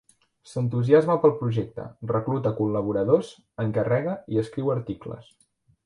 S'entusiasma pel projecte, recluta col·laboradors, encarrega i escriu articles.